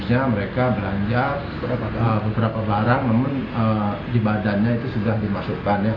biasanya mereka belanja beberapa barang namun di badannya itu sudah dimasukkan ya